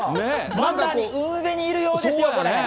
まさに海辺にいるようですよ、これ。